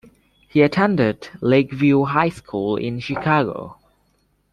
He attended Lake View High School in Chicago.